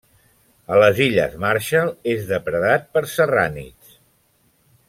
A les Illes Marshall és depredat per serrànids.